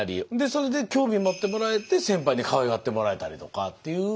それで興味持ってもらえて先輩にかわいがってもらえたりとかっていう。